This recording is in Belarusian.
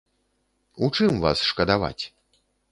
У чым вас шкадаваць?